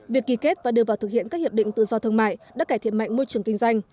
việc ký kết và đưa vào thực hiện các hiệp định tự do thương mại đã cải thiện mạnh môi trường kinh doanh